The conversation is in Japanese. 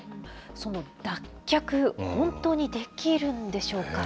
脱却、本当にできるんでしょうか。